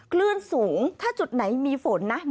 คลื่นสูงถ้าจุดไหนมีฝนนะ